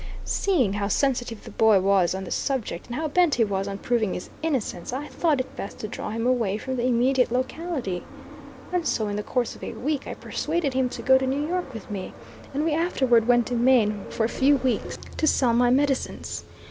Seeing how sensitive the boy was on the subject, and how bent he was on proving his innocence, I thought it best to draw him away from the immediate locality, and so, in the course of a week, I persuaded him to go to New York with me, and we afterward went to Maine for a few weeks to sell my medicines.